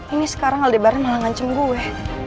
ini sekarang aldebaran malah ngancam gue